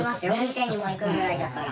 店にも行くぐらいだから。